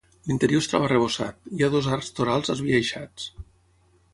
L'interior es troba arrebossat, hi ha dos arcs torals esbiaixats.